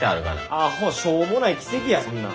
アホしょうもない奇跡やそんなん。